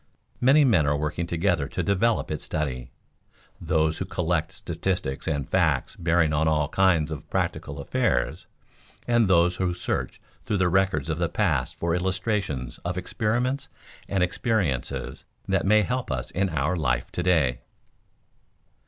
Many men are working together to develop its study those who collect statistics and facts bearing on all kinds of practical affairs, and those who search through the records of the past for illustrations of experiments and experiences that may help us in our life to day.